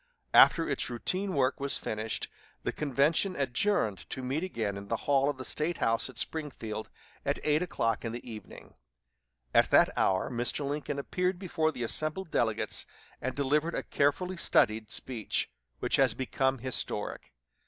After its routine work was finished, the convention adjourned to meet again in the hall of the State House at Springfield at eight o'clock in the evening. At that hour Mr. Lincoln appeared before the assembled delegates and delivered a carefully studied speech, which has become historic.